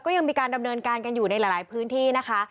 ยังมีการดำเนินการกันอยู่ในหลายพื้นที่นะคะ